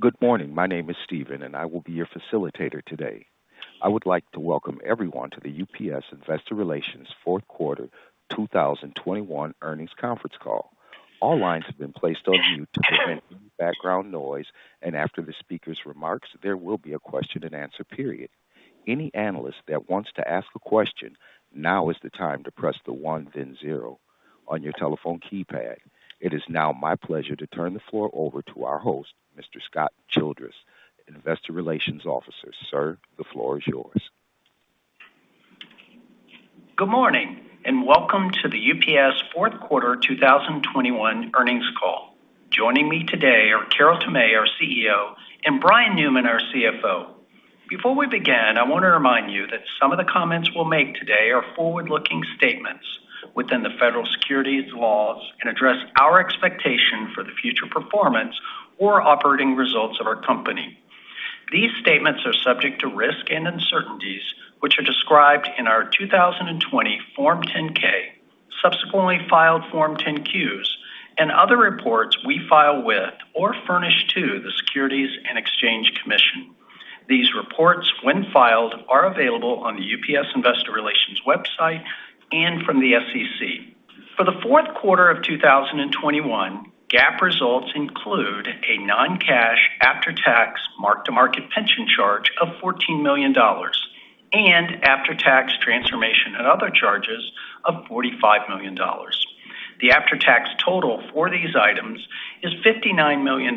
Good morning. My name is Steven, and I will be your facilitator today. I would like to welcome everyone to the UPS Investor Relations fourth quarter 2021 Earnings Conference Call. All lines have been placed on mute to prevent any background noise, and after the speaker's remarks, there will be a question-and-answer period. Any analyst that wants to ask a question, now is the time to press the one then zero on your telephone keypad. It is now my pleasure to turn the floor over to our host, Mr. Scott Childress, Investor Relations Officer. Sir, the floor is yours. Good morning and welcome to the UPS fourth quarter 2021 earnings call. Joining me today are Carol Tomé, our CEO, and Brian Newman, our CFO. Before we begin, I want to remind you that some of the comments we'll make today are forward-looking statements within the federal securities laws and address our expectation for the future performance or operating results of our company. These statements are subject to risks and uncertainties which are described in our 2020 Form 10-K, subsequently filed Form 10-Qs and other reports we file with or furnish to the Securities and Exchange Commission. These reports, when filed, are available on the UPS Investor Relations website and from the SEC. For the fourth quarter of 2021, GAAP results include a non-cash after-tax mark-to-market pension charge of $14 million and after-tax transformation and other charges of $45 million. The after-tax total for these items is $59 million,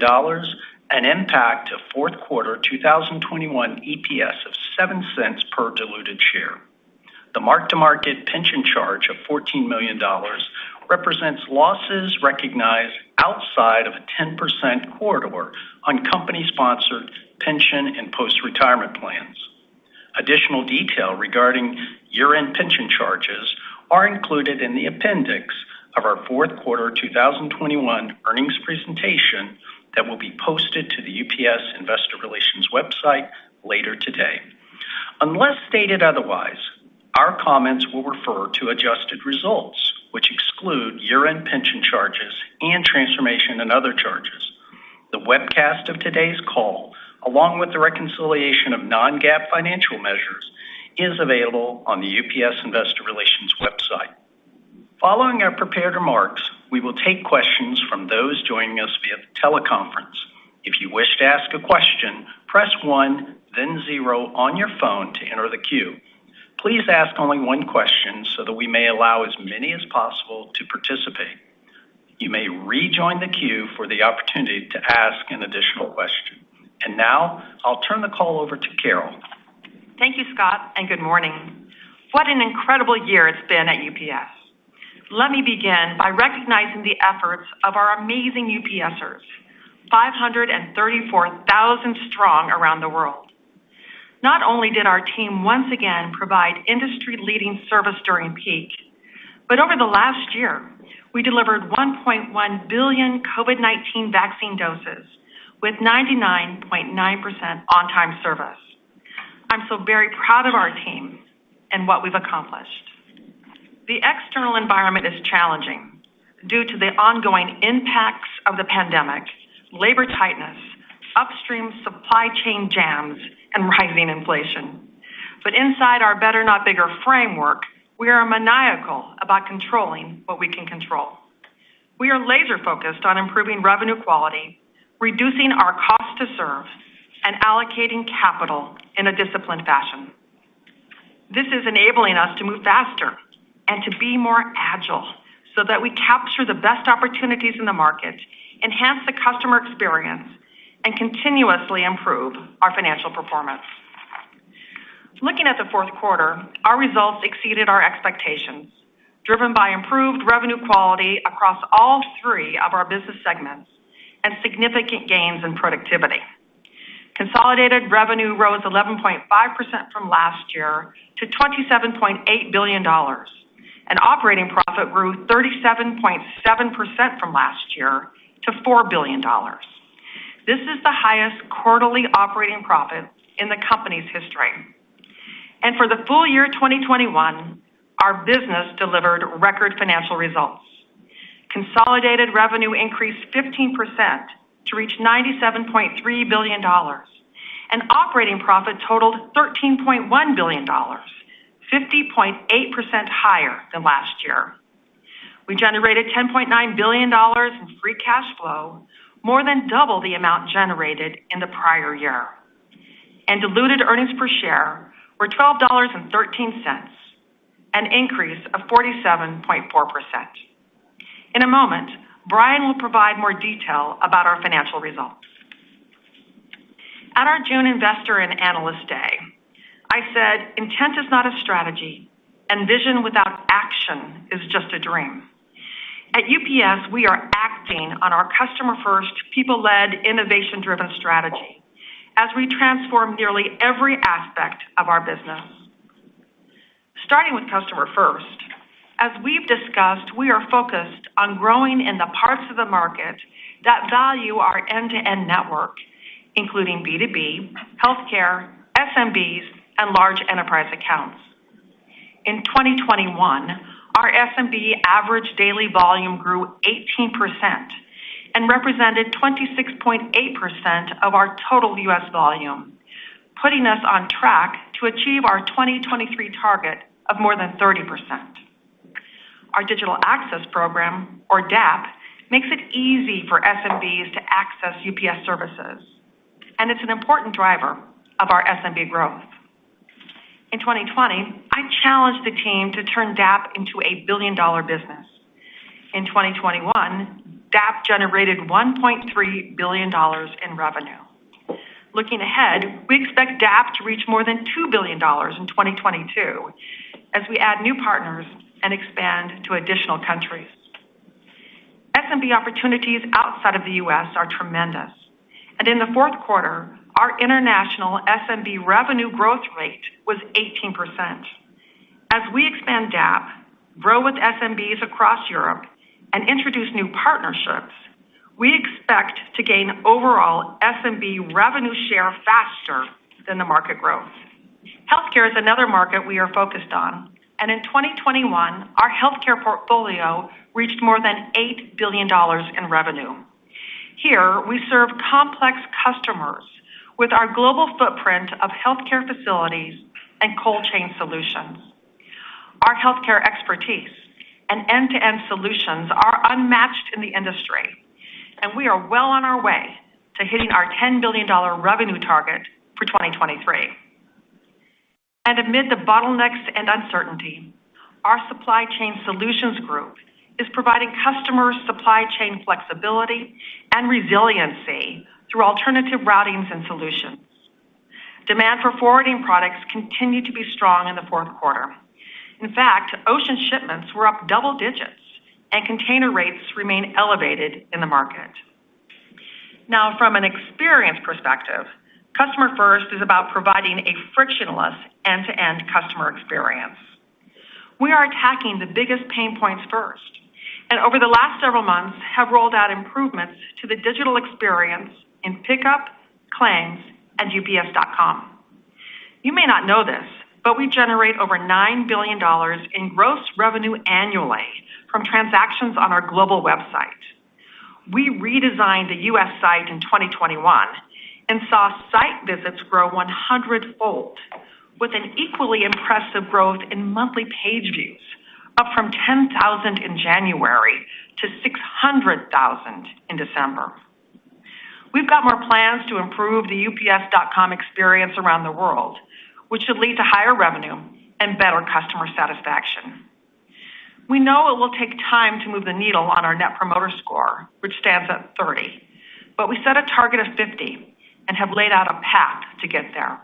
an impact to fourth quarter 2021 EPS of $0.07 per diluted share. The mark-to-market pension charge of $14 million represents losses recognized outside of a 10% corridor on company-sponsored pension and post-retirement plans. Additional detail regarding year-end pension charges are included in the appendix of our fourth quarter 2021 earnings presentation that will be posted to the UPS Investor Relations website later today. Unless stated otherwise, our comments will refer to adjusted results, which exclude year-end pension charges and transformation and other charges. The webcast of today's call, along with the reconciliation of non-GAAP financial measures, is available on the UPS Investor Relations website. Following our prepared remarks, we will take questions from those joining us via the teleconference. If you wish to ask a question, press one, then zero on your phone to enter the queue. Please ask only one question so that we may allow as many as possible to participate. You may rejoin the queue for the opportunity to ask an additional question. Now I'll turn the call over to Carol. Thank you, Scott, and good morning. What an incredible year it's been at UPS. Let me begin by recognizing the efforts of our amazing UPSers, 534,000 strong around the world. Not only did our team once again provide industry-leading service during peak, but over the last year, we delivered 1.1 billion COVID-19 vaccine doses with 99.9% on-time service. I'm so very proud of our team and what we've accomplished. The external environment is challenging due to the ongoing impacts of the pandemic, labor tightness, upstream supply chain jams, and rising inflation. Inside our better, not bigger framework, we are maniacal about controlling what we can control. We are laser-focused on improving revenue quality, reducing our cost to serve, and allocating capital in a disciplined fashion. This is enabling us to move faster and to be more agile so that we capture the best opportunities in the market, enhance the customer experience, and continuously improve our financial performance. Looking at the fourth quarter, our results exceeded our expectations, driven by improved revenue quality across all three of our business segments and significant gains in productivity. Consolidated revenue rose 11.5% from last year to $27.8 billion, and operating profit grew 37.7% from last year to $4 billion. This is the highest quarterly operating profit in the company's history. For the full year 2021, our business delivered record financial results. Consolidated revenue increased 15% to reach $97.3 billion, and operating profit totaled $13.1 billion, 50.8% higher than last year. We generated $10.9 billion in free cash flow, more than double the amount generated in the prior year. Diluted earnings per share were $12.13, an increase of 47.4%. In a moment, Brian will provide more detail about our financial results. At our June Investor and Analyst Day, I said intent is not a strategy and vision without action is just a dream. At UPS, we are acting on our customer-first, people-led, innovation-driven strategy as we transform nearly every aspect of our business. Starting with customer first, as we've discussed, we are focused on growing in the parts of the market that value our end-to-end network, including B2B, healthcare, SMBs, and large enterprise accounts. In 2021, our SMB average daily volume grew 18% and represented 26.8% of our total U.S. volume, putting us on track to achieve our 2023 target of more than 30%. Our Digital Access Program, or DAP, makes it easy for SMBs to access UPS services, and it's an important driver of our SMB growth. In 2020, I challenged the team to turn DAP into a billion-dollar business. In 2021, DAP generated $1.3 billion in revenue. Looking ahead, we expect DAP to reach more than $2 billion in 2022 as we add new partners and expand to additional countries. SMB opportunities outside of the U.S. are tremendous, and in the fourth quarter, our international SMB revenue growth rate was 18%. As we expand DAP, grow with SMBs across Europe, and introduce new partnerships, we expect to gain overall SMB revenue share faster than the market growth. Healthcare is another market we are focused on, and in 2021, our healthcare portfolio reached more than $8 billion in revenue. Here we serve complex customers with our global footprint of healthcare facilities and cold chain solutions. Our healthcare expertise and end-to-end solutions are unmatched in the industry, and we are well on our way to hitting our $10 billion revenue target for 2023. Amid the bottlenecks and uncertainty, our Supply Chain Solutions group is providing customers supply chain flexibility and resiliency through alternative routings and solutions. Demand for forwarding products continued to be strong in the fourth quarter. In fact, ocean shipments were up double digits and container rates remain elevated in the market. Now, from an experience perspective, customer first is about providing a frictionless end-to-end customer experience. We are attacking the biggest pain points first, and over the last several months have rolled out improvements to the digital experience in pickup, claims, and ups.com. You may not know this, but we generate over $9 billion in gross revenue annually from transactions on our global website. We redesigned the U.S. site in 2021 and saw site visits grow 100-fold with an equally impressive growth in monthly page views, up from 10,000 in January to 600,000 in December. We've got more plans to improve the ups.com experience around the world, which should lead to higher revenue and better customer satisfaction. We know it will take time to move the needle on our net promoter score, which stands at 30, but we set a target of 50 and have laid out a path to get there.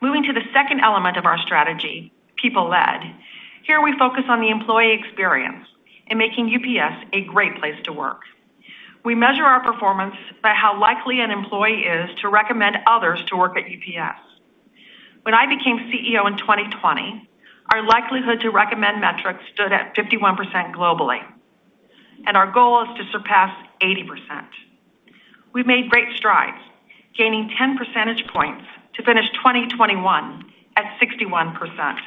Moving to the second element of our strategy, people-led. Here we focus on the employee experience in making UPS a great place to work. We measure our performance by how likely an employee is to recommend others to work at UPS. When I became CEO in 2020, our likelihood to recommend metrics stood at 51% globally, and our goal is to surpass 80%. We made great strides, gaining 10 percentage points to finish 2021 at 61%.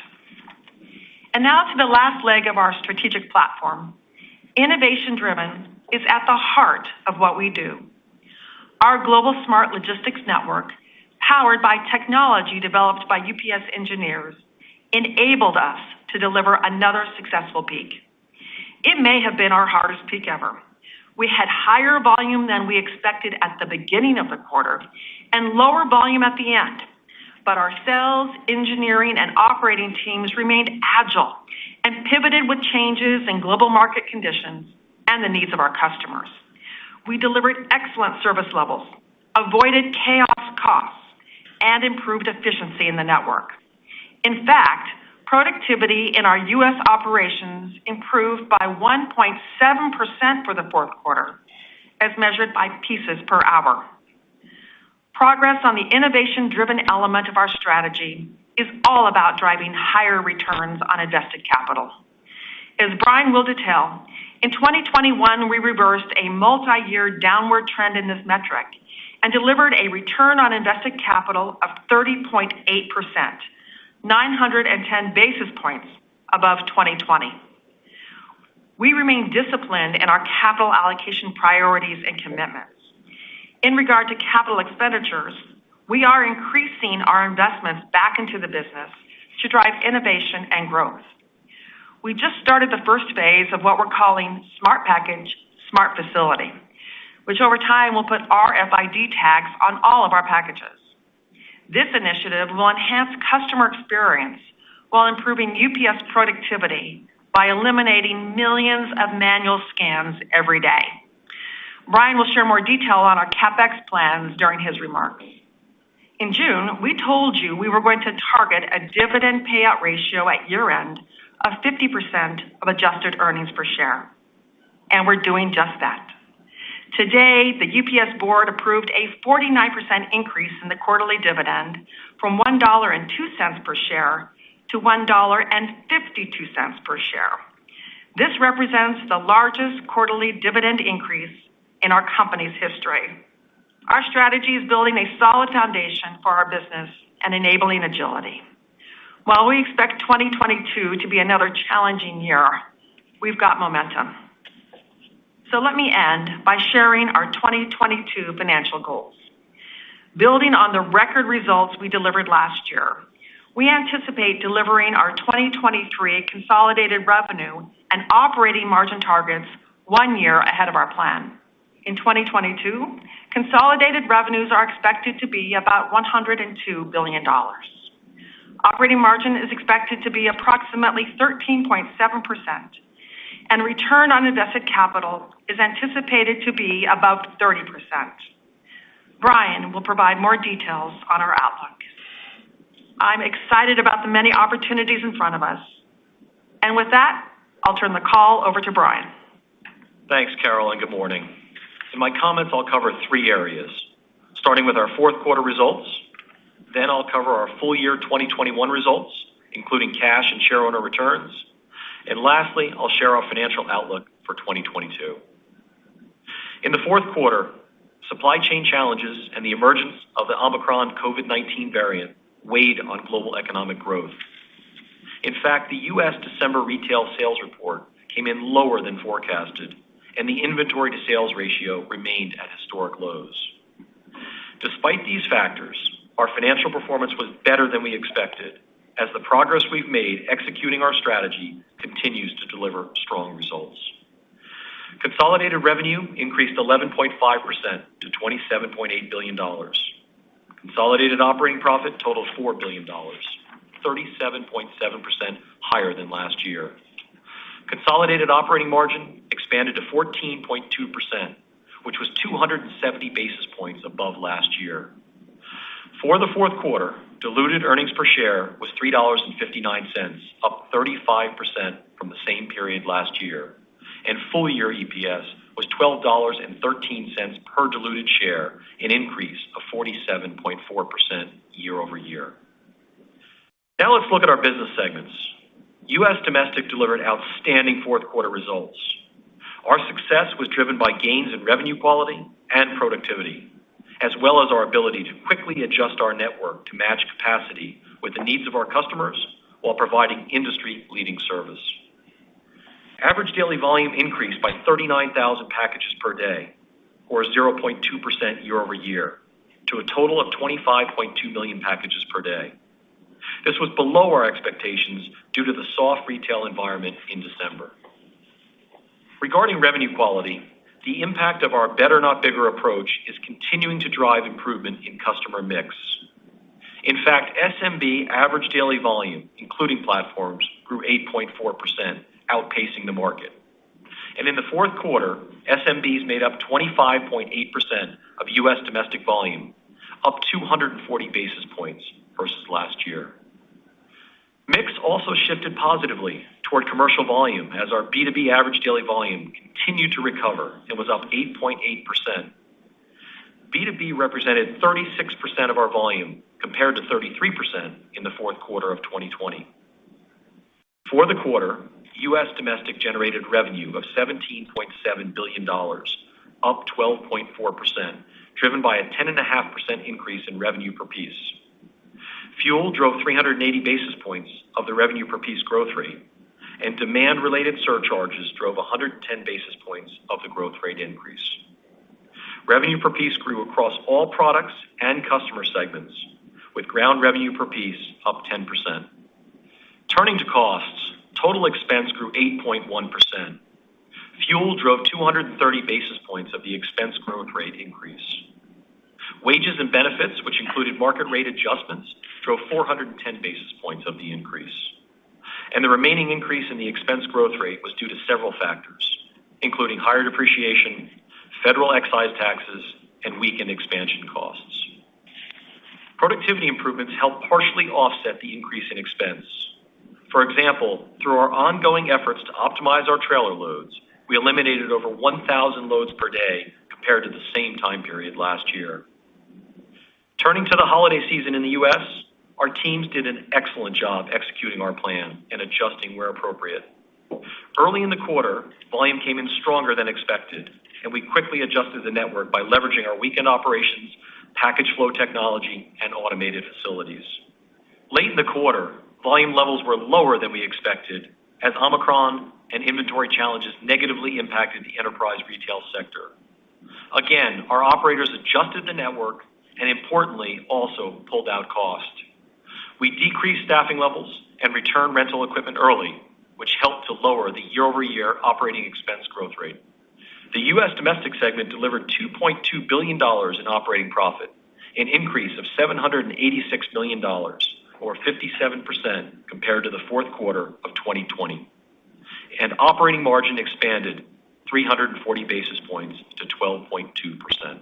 Now to the last leg of our strategic platform. Innovation driven is at the heart of what we do. Our global smart logistics network, powered by technology developed by UPS engineers, enabled us to deliver another successful peak. It may have been our hardest peak ever. We had higher volume than we expected at the beginning of the quarter and lower volume at the end. Our sales, engineering, and operating teams remained agile and pivoted with changes in global market conditions and the needs of our customers. We delivered excellent service levels, avoided chaos costs, and improved efficiency in the network. In fact, productivity in our U.S. operations improved by 1.7% for the fourth quarter, as measured by pieces per hour. Progress on the innovation-driven element of our strategy is all about driving higher returns on invested capital. As Brian will detail, in 2021, we reversed a multi-year downward trend in this metric and delivered a return on invested capital of 30.8%, 910 basis points above 2020. We remain disciplined in our capital allocation priorities and commitments. In regard to capital expenditures, we are increasing our investments back into the business to drive innovation and growth. We just started the first phase of what we're calling Smart Package Smart Facility, which over time will put RFID tags on all of our packages. This initiative will enhance customer experience while improving UPS productivity by eliminating millions of manual scans every day. Brian will share more detail on our CapEx plans during his remarks. In June, we told you we were going to target a dividend payout ratio at year-end of 50% of adjusted earnings per share, and we're doing just that. Today, the UPS board approved a 49% increase in the quarterly dividend from $1.02 per share to $1.52 per share. This represents the largest quarterly dividend increase in our company's history. Strategy is building a solid foundation for our business and enabling agility. While we expect 2022 to be another challenging year, we've got momentum. Let me end by sharing our 2022 financial goals. Building on the record results we delivered last year, we anticipate delivering our 2023 consolidated revenue and operating margin targets one year ahead of our plan. In 2022, consolidated revenues are expected to be about $102 billion. Operating margin is expected to be approximately 13.7%, and return on invested capital is anticipated to be above 30%. Brian will provide more details on our outlook. I'm excited about the many opportunities in front of us. With that, I'll turn the call over to Brian. Thanks, Carol, and good morning. In my comments, I'll cover three areas, starting with our fourth quarter results. I'll cover our full year 2021 results, including cash and shareowner returns. Lastly, I'll share our financial outlook for 2022. In the fourth quarter, supply chain challenges and the emergence of the Omicron COVID-19 variant weighed on global economic growth. In fact, the U.S. December retail sales report came in lower than forecasted, and the inventory to sales ratio remains at historic lows. Despite these factors, our financial performance was better than we expected, as the progress we've made executing our strategy continues to deliver strong results. Consolidated revenue increased 11.5% to $27.8 billion. Consolidated operating profit totaled $4 billion, 37.7% higher than last year. Consolidated operating margin expanded to 14.2%, which was 270 basis points above last year. For the fourth quarter, diluted earnings per share was $3.59, up 35% from the same period last year, and full-year EPS was $12.13 per diluted share, an increase of 47.4% year-over-year. Now let's look at our business segments. U.S. Domestic delivered outstanding fourth quarter results. Our success was driven by gains in revenue quality and productivity, as well as our ability to quickly adjust our network to match capacity with the needs of our customers while providing industry-leading service. Average daily volume increased by 39,000 packages per day, or 0.2% year-over-year, to a total of 25.2 million packages per day. This was below our expectations due to the soft retail environment in December. Regarding revenue quality, the impact of our better not bigger approach is continuing to drive improvement in customer mix. In fact, SMB average daily volume, including platforms, grew 8.4%, outpacing the market. In the fourth quarter, SMBs made up 25.8% of U.S. Domestic volume, up 240 basis points versus last year. Mix also shifted positively toward commercial volume as our B2B average daily volume continued to recover and was up 8.8%. B2B represented 36% of our volume, compared to 33% in the fourth quarter of 2020. For the quarter, U.S. Domestic generated revenue of $17.7 billion, up 12.4%, driven by a 10.5% increase in revenue per piece. Fuel drove 380 basis points of the revenue per piece growth rate, and demand-related surcharges drove 110 basis points of the growth rate increase. Revenue per piece grew across all products and customer segments, with ground revenue per piece up 10%. Turning to costs, total expense grew 8.1%. Fuel drove 230 basis points of the expense growth rate increase. Wages and benefits, which included market rate adjustments, drove 410 basis points of the increase. The remaining increase in the expense growth rate was due to several factors, including higher depreciation, federal excise taxes, and network expansion costs. Productivity improvements helped partially offset the increase in expense. For example, through our ongoing efforts to optimize our trailer loads, we eliminated over 1,000 loads per day compared to the same time period last year. Turning to the holiday season in the U.S., our teams did an excellent job executing our plan and adjusting where appropriate. Early in the quarter, volume came in stronger than expected, and we quickly adjusted the network by leveraging our weekend operations, package flow technology, and automated facilities. Late in the quarter, volume levels were lower than we expected as Omicron and inventory challenges negatively impacted the enterprise retail sector. Again, our operators adjusted the network and importantly also pulled out cost. We decreased staffing levels and returned rental equipment early, which helped to lower the year-over-year operating expense growth rate. The U.S. Domestic segment delivered $2.2 billion in operating profit, an increase of $786 million or 57% compared to the fourth quarter of 2020. Operating margin expanded 340 basis points to 12.2%.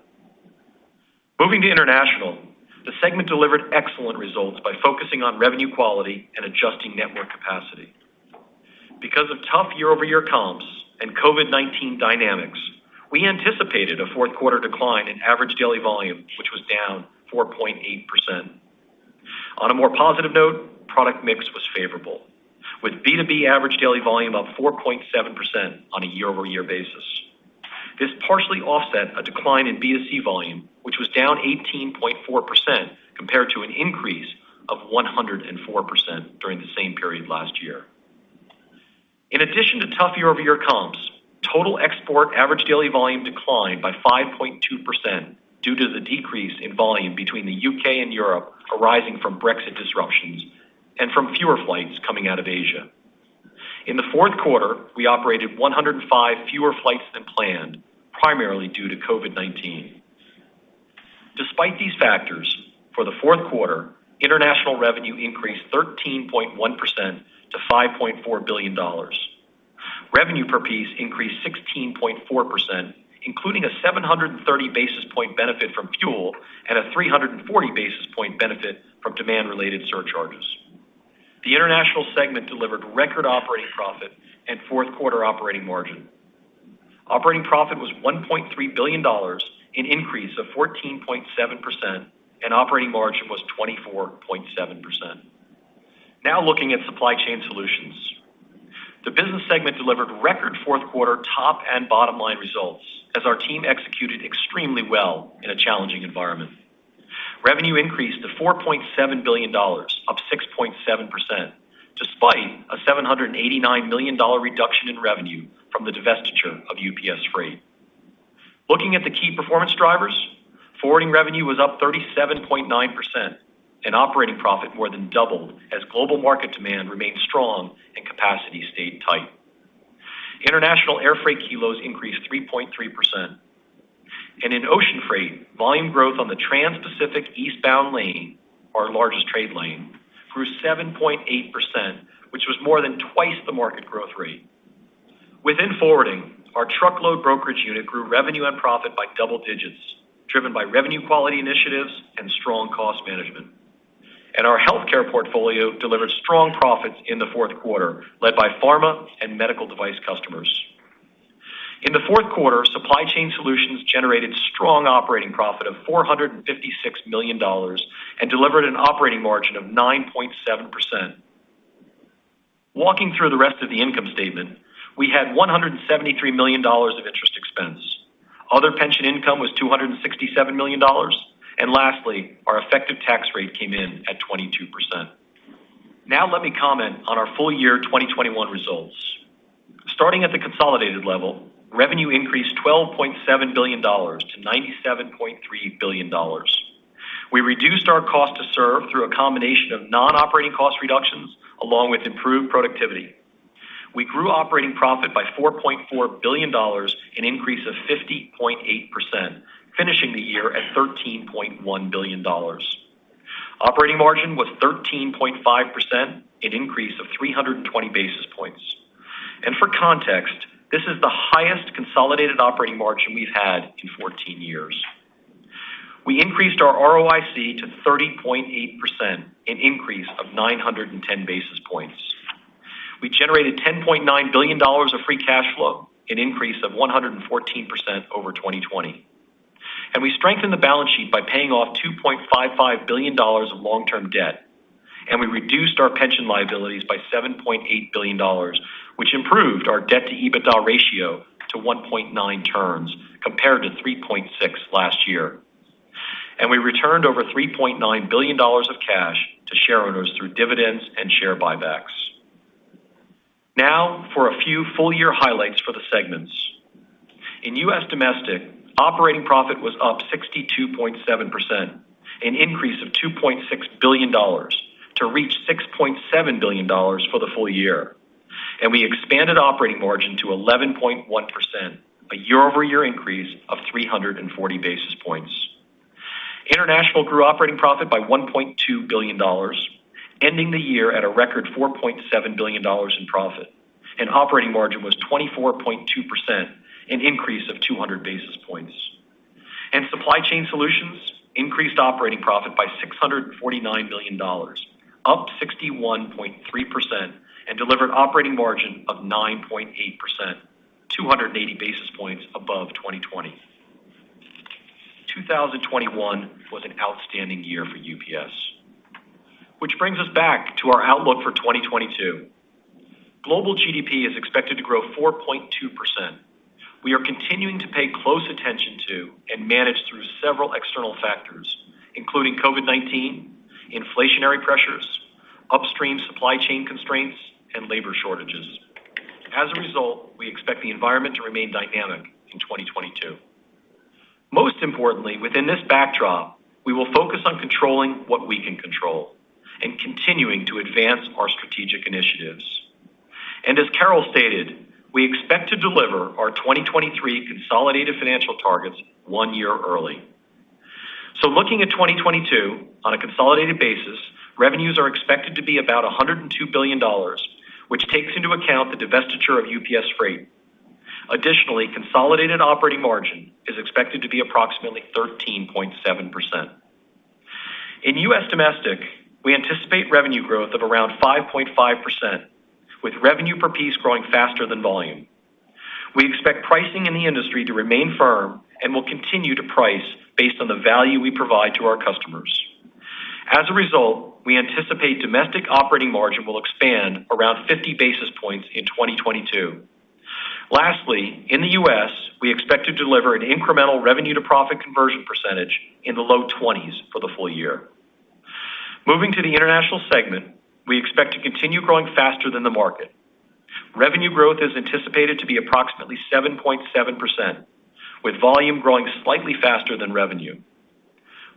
Moving to International, the segment delivered excellent results by focusing on revenue quality and adjusting network capacity. Because of tough year-over-year comps and COVID-19 dynamics, we anticipated a fourth quarter decline in average daily volume, which was down 4.8%. On a more positive note, product mix was favorable, with B2B average daily volume up 4.7% on a year-over-year basis. This partially offset a decline in B2C volume, which was down 18.4% compared to an increase of 104% during the same period last year. In addition to tough year-over-year comps, total export average daily volume declined by 5.2% due to the decrease in volume between the U.K. and Europe arising from Brexit disruptions and from fewer flights coming out of Asia. In the fourth quarter, we operated 105 fewer flights than planned, primarily due to COVID-19. Despite these factors, for the fourth quarter, international revenue increased 13.1% to $5.4 billion. Revenue per piece increased 16.4%, including a 730 basis point benefit from fuel and a 340 basis point benefit from demand-related surcharges. The international segment delivered record operating profit and fourth-quarter operating margin. Operating profit was $1.3 billion, an increase of 14.7%, and operating margin was 24.7%. Now looking at Supply Chain Solutions. The business segment delivered record fourth quarter top and bottom-line results as our team executed extremely well in a challenging environment. Revenue increased to $4.7 billion, up 6.7%, despite a $789 million reduction in revenue from the divestiture of UPS Freight. Looking at the key performance drivers, forwarding revenue was up 37.9%, and operating profit more than doubled as global market demand remained strong and capacity stayed tight. International airfreight kilos increased 3.3%. In ocean freight, volume growth on the Transpacific eastbound lane, our largest trade lane, grew 7.8%, which was more than twice the market growth rate. Within forwarding, our truckload brokerage unit grew revenue and profit by double digits, driven by revenue quality initiatives and strong cost management. Our healthcare portfolio delivered strong profits in the fourth quarter, led by pharma and medical device customers. In the fourth quarter, Supply Chain Solutions generated strong operating profit of $456 million and delivered an operating margin of 9.7%. Walking through the rest of the income statement, we had $173 million of interest expense. Other pension income was $267 million. Lastly, our effective tax rate came in at 22%. Now let me comment on our full year 2021 results. Starting at the consolidated level, revenue increased $12.7 billion to $97.3 billion. We reduced our cost to serve through a combination of non-operating cost reductions along with improved productivity. We grew operating profit by $4.4 billion, an increase of 50.8%, finishing the year at $13.1 billion. Operating margin was 13.5%, an increase of 320 basis points. For context, this is the highest consolidated operating margin we've had in 14 years. We increased our ROIC to 30.8%, an increase of 910 basis points. We generated $10.9 billion of free cash flow, an increase of 114% over 2020. We strengthened the balance sheet by paying off $2.55 billion of long-term debt, and we reduced our pension liabilities by $7.8 billion, which improved our debt-to-EBITDA ratio to 1.9 times, compared to 3.6 last year. We returned over $3.9 billion of cash to shareowners through dividends and share buybacks. Now for a few full-year highlights for the segments. In U.S. Domestic, operating profit was up 62.7%, an increase of $2.6 billion, to reach $6.7 billion for the full year. We expanded operating margin to 11.1%, a year-over-year increase of 340 basis points. International grew operating profit by $1.2 billion, ending the year at a record $4.7 billion in profit, and operating margin was 24.2%, an increase of 200 basis points. Supply Chain Solutions increased operating profit by $649 million, up 61.3%, and delivered operating margin of 9.8%, 280 basis points above 2020. 2021 was an outstanding year for UPS. Which brings us back to our outlook for 2022. Global GDP is expected to grow 4.2%. We are continuing to pay close attention to and manage through several external factors, including COVID-19, inflationary pressures, upstream supply chain constraints, and labor shortages. As a result, we expect the environment to remain dynamic in 2022. Most importantly, within this backdrop, we will focus on controlling what we can control and continuing to advance our strategic initiatives. As Carol stated, we expect to deliver our 2023 consolidated financial targets one year early. Looking at 2022, on a consolidated basis, revenues are expected to be about $102 billion, which takes into account the divestiture of UPS Freight. Additionally, consolidated operating margin is expected to be approximately 13.7%. In U.S. Domestic, we anticipate revenue growth of around 5.5%, with revenue per piece growing faster than volume. We expect pricing in the industry to remain firm and will continue to price based on the value we provide to our customers. As a result, we anticipate domestic operating margin will expand around 50 basis points in 2022. Lastly, in the U.S., we expect to deliver an incremental revenue to profit conversion percentage in the low 20s% for the full year. Moving to the international segment, we expect to continue growing faster than the market. Revenue growth is anticipated to be approximately 7.7%, with volume growing slightly faster than revenue.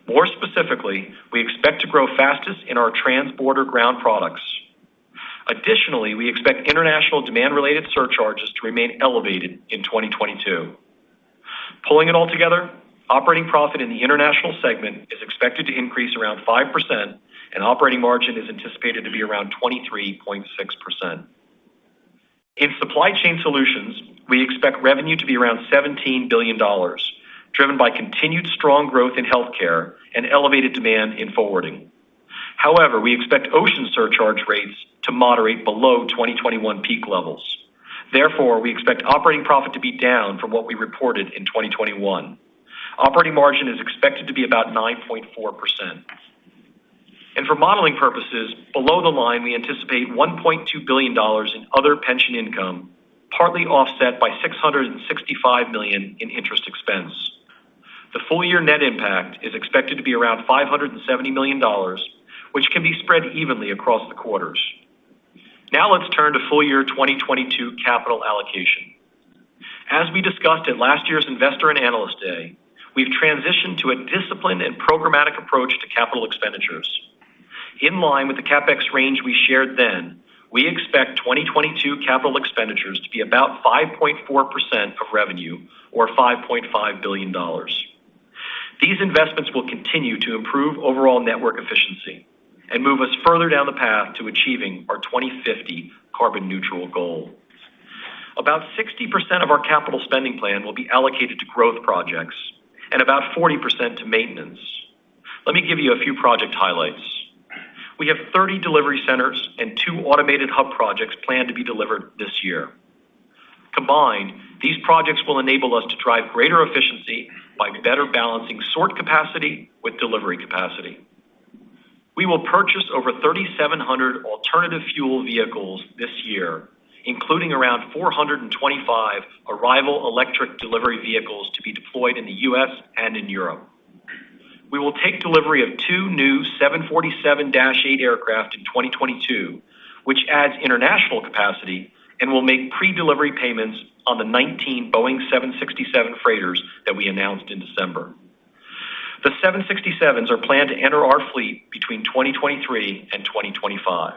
More specifically, we expect to grow fastest in our transborder ground products. Additionally, we expect international demand-related surcharges to remain elevated in 2022. Pulling it all together, operating profit in the international segment is expected to increase around 5% and operating margin is anticipated to be around 23.6%. In Supply Chain Solutions, we expect revenue to be around $17 billion, driven by continued strong growth in healthcare and elevated demand in forwarding. However, we expect ocean surcharge rates to moderate below 2021 peak levels. Therefore, we expect operating profit to be down from what we reported in 2021. Operating margin is expected to be about 9.4%. For modeling purposes, below the line, we anticipate $1.2 billion in other pension income, partly offset by $665 million in interest expense. The full year net impact is expected to be around $570 million, which can be spread evenly across the quarters. Now let's turn to full year 2022 capital allocation. As we discussed at last year's Investor and Analyst Day, we've transitioned to a disciplined and programmatic approach to capital expenditures. In line with the CapEx range we shared then, we expect 2022 capital expenditures to be about 5.4% of revenue or $5.5 billion. These investments will continue to improve overall network efficiency and move us further down the path to achieving our 2050 carbon neutral goal. About 60% of our capital spending plan will be allocated to growth projects and about 40% to maintenance. Let me give you a few project highlights. We have 30 delivery centers and two automated hub projects planned to be delivered this year. Combined, these projects will enable us to drive greater efficiency by better balancing sort capacity with delivery capacity. We will purchase over 3,700 alternative fuel vehicles this year, including around 425 Arrival electric delivery vehicles to be deployed in the U.S. and in Europe. We will take delivery of two new 747-8 aircraft in 2022, which adds international capacity and will make predelivery payments on the 19 Boeing 767 freighters that we announced in December. The 767s are planned to enter our fleet between 2023 and 2025.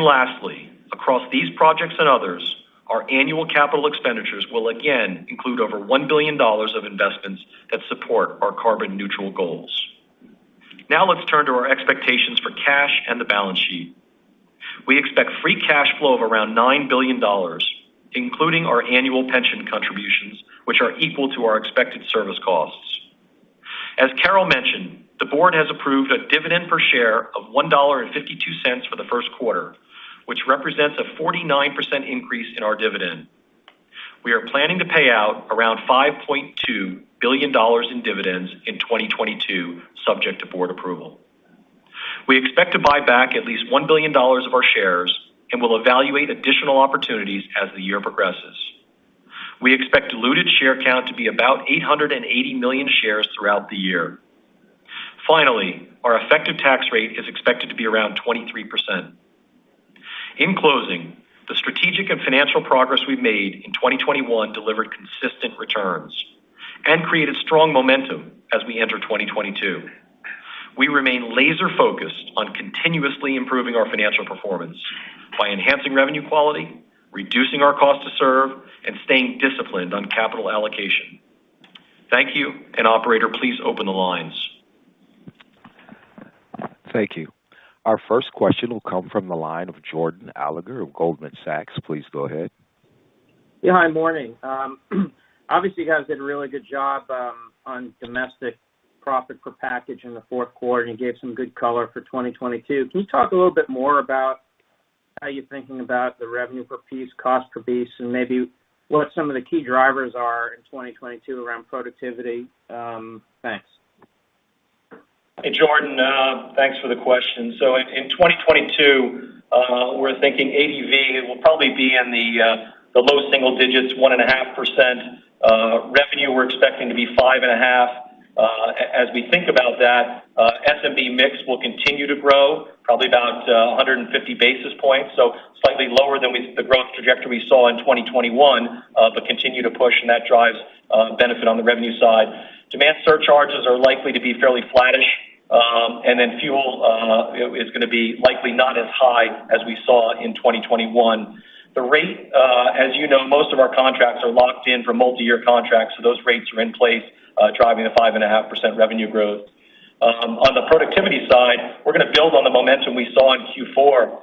Last, across these projects and others, our annual capital expenditures will again include over $1 billion of investments that support our carbon neutral goals. Now let's turn to our expectations for cash and the balance sheet. We expect free cash flow of around $9 billion, including our annual pension contributions, which are equal to our expected service costs. As Carol mentioned, the board has approved a dividend per share of $1.52 for the first quarter, which represents a 49% increase in our dividend. We are planning to pay out around $5.2 billion in dividends in 2022, subject to board approval. We expect to buy back at least $1 billion of our shares and will evaluate additional opportunities as the year progresses. We expect diluted share count to be about 880 million shares throughout the year. Finally, our effective tax rate is expected to be around 23%. In closing, the strategic and financial progress we've made in 2021 delivered consistent returns and created strong momentum as we enter 2022. We remain laser-focused on continuously improving our financial performance by enhancing revenue quality, reducing our cost to serve, and staying disciplined on capital allocation. Thank you. Operator, please open the lines. Thank you. Our first question will come from the line of Jordan Alliger of Goldman Sachs. Please go ahead. Yeah, hi, morning. Obviously, you guys did a really good job on domestic profit per package in the fourth quarter, and you gave some good color for 2022. Can you talk a little bit more about how you're thinking about the revenue per piece, cost per piece, and maybe what some of the key drivers are in 2022 around productivity? Thanks. Hey, Jordan. Thanks for the question. In 2022, we're thinking ADV will probably be in the low single digits, 1.5%. Revenue, we're expecting to be 5.5%. As we think about that, SMB mix will continue to grow probably about 150 basis points, slightly lower than the growth trajectory we saw in 2021, but continue to push, and that drives benefit on the revenue side. Demand surcharges are likely to be fairly flattish. Fuel, it's gonna be likely not as high as we saw in 2021. The rate, as you know, most of our contracts are locked in for multiyear contracts, so those rates are in place, driving the 5.5% revenue growth. On the productivity side, we're gonna build on the momentum we saw in Q4.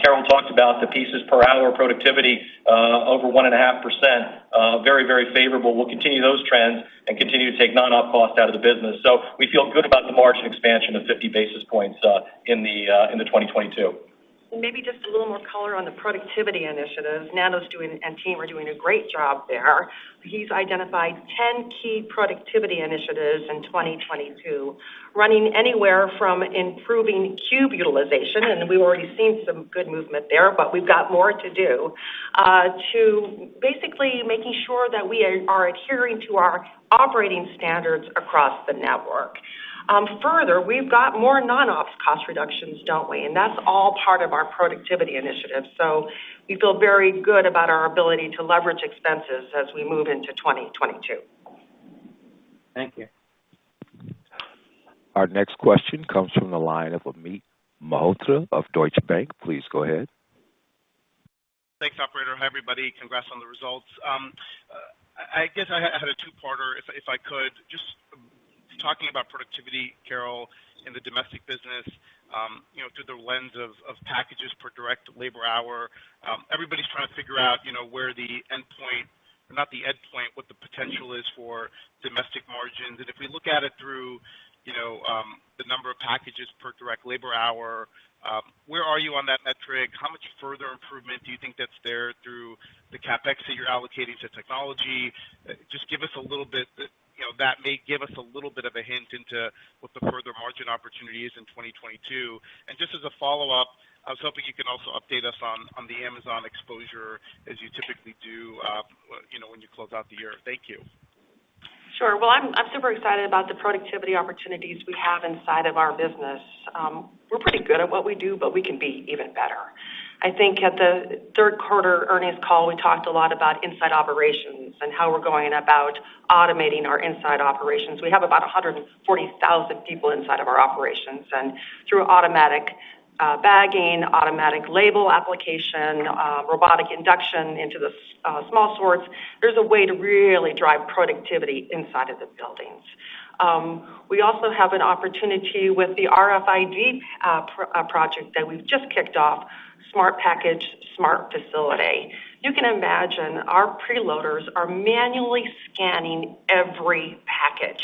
Carol talked about the pieces per hour productivity over 1.5%. Very, very favorable. We'll continue those trends and continue to take non-op costs out of the business. We feel good about the margin expansion of 50 basis points in 2022. Maybe just a little more color on the productivity initiatives. Nando and team are doing a great job there. He's identified 10 key productivity initiatives in 2022, running anywhere from improving cube utilization, and we've already seen some good movement there, but we've got more to do to basically making sure that we are adhering to our operating standards across the network. Further, we've got more non-ops cost reductions, don't we? That's all part of our productivity initiative. We feel very good about our ability to leverage expenses as we move into 2022. Thank you. Our next question comes from the line of Amit Mehrotra of Deutsche Bank. Please go ahead. Thanks, Operator. Hi, everybody. Congrats on the results. I guess I had a two-parter, if I could. Just talking about productivity, Carol, in the domestic business, you know, through the lens of packages per direct labor hour. Everybody's trying to figure out, you know, where the endpoint not the endpoint, what the potential is for domestic margins. If we look at it through, you know, the number of packages per direct labor hour, where are you on that metric? How much further improvement do you think that's there through the CapEx that you're allocating to technology? Just give us a little bit, you know, that may give us a little bit of a hint into what the further margin opportunity is in 2022. Just as a follow-up, I was hoping you could also update us on the Amazon exposure as you typically do, you know, when you close out the year. Thank you. Sure. Well, I'm super excited about the productivity opportunities we have inside of our business. We're pretty good at what we do, but we can be even better. I think at the third quarter earnings call, we talked a lot about inside operations and how we're going about automating our inside operations. We have about 140,000 people inside of our operations. Through automatic bagging, automatic label application, robotic induction into the small sorts, there's a way to really drive productivity inside of the buildings. We also have an opportunity with the RFID project that we've just kicked off, Smart Package Smart Facility. You can imagine our preloaders are manually scanning every package.